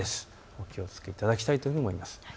お気をつけいただきたいと思います。